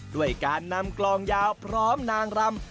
ด้วยการนำกลองยาวพร้อมนางรำ